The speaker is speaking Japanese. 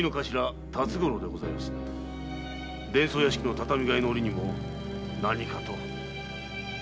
伝奏屋敷の畳替えの折にも何かと。